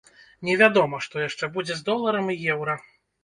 Невядома, што яшчэ будзе з доларам і еўра.